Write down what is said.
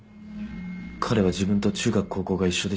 彼は自分と中学・高校が一緒で親友なんです。